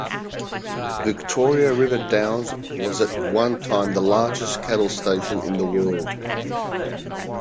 Victoria River Downs was at one time the largest cattle station in the world.